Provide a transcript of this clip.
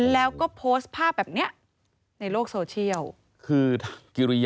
แล้วก็โพสต์ภาพแบบเนี่ยในโลกโซเชียล